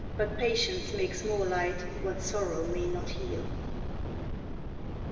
but patience makes more light What sorrow may not heal.